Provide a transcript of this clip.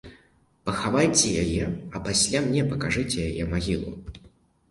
Пахавайце яе, а пасля мне пакажаце яе магілу.